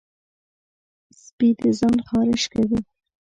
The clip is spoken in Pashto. سپي د ځان خارش کوي.